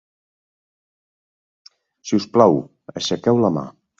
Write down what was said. Si us plau, aixequeu la mà.